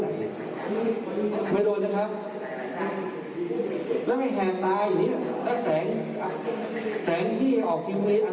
แสงที่ออกทิวเวย์อันตรายมาก